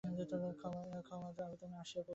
ক্ষমার আবেদন আসিয়া পৌঁছিল না।